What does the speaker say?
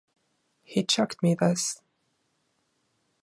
He chucked me this.